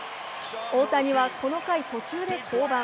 大谷はこの回、途中で降板。